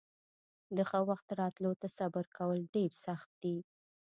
د ښه وخت راتلو ته صبر کول ډېر سخت دي.